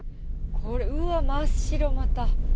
これ、うわっ、真っ白、また。